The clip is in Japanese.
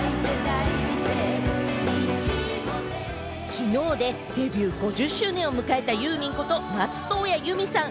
きのうでデビュー５０周年を迎えたユーミンこと松任谷由実さん。